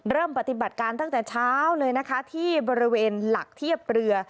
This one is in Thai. เริ่มปฏิบัติการตั้งแต่เช้าเลยนะคะที่บริเวณหลักเทียบเรือ